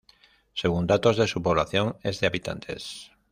Según datos de su población es de habitantes.